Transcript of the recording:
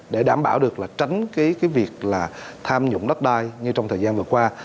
để đảm bảo được là tránh cái việc là tham dụng đất đai như trong thời gian vừa qua